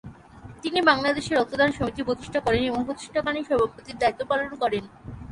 তিনি বাংলাদেশে রক্তদান সমিতি প্রতিষ্ঠা করেন এবং প্রতিষ্ঠাকালীন সভাপতির দায়িত্ব পালন করেন।